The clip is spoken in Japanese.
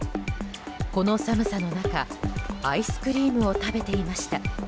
この寒さの中、アイスクリームを食べていました。